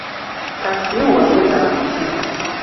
Kafyu wa bwetaavu ki?